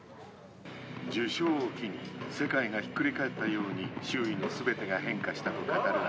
受賞を機に世界がひっくり返ったように周囲のすべてが変化したと語る安奈。